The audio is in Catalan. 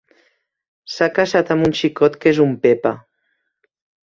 S'ha casat amb un xicot que és un pepa.